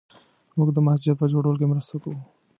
موږ د مسجد په جوړولو کې مرسته کوو